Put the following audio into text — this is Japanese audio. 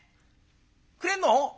くれんの？